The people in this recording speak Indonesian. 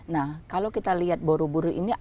nah kalau kita lihat borobudur iniv